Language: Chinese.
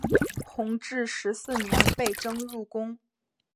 弘治十四年被征入宫。